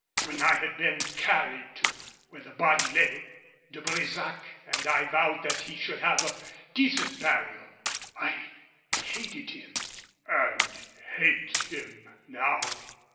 When I had been carried to where the body lay, De Brésac and I vowed he should have a decent burial. I hated him, and hate him now.